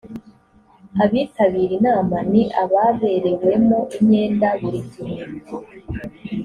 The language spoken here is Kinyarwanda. abitabira inama ni ababerewemo imyenda buri gihe